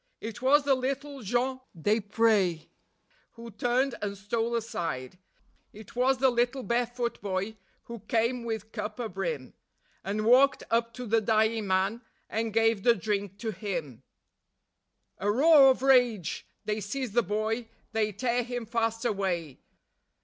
..." It was the little Jean Desprez who turned and stole aside; It was the little bare foot boy who came with cup abrim And walked up to the dying man, and gave the drink to him. A roar of rage! They seize the boy; they tear him fast away.